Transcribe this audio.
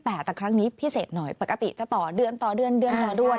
แต่ครั้งนี้พิเศษหน่อยปกติจะต่อเดือนต่อเดือนเดือนต่อด้วย